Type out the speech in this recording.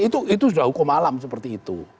itu sudah hukum alam seperti itu